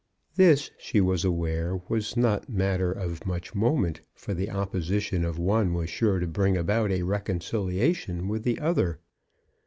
This, she was aware, was not matter of much moment, for the opposition of one was sure to bring about a reconciliation with the other.